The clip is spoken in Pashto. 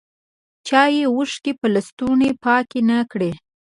چایې اوښکي په لستوڼي پاکي نه کړې